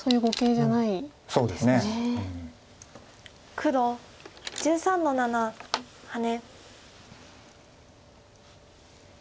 黒１３の七ハネ。